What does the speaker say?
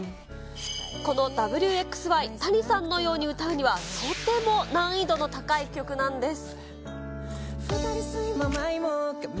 このＷ／Ｘ／Ｙ、タニさんのように歌うのは、とても難易度の高い曲なんです。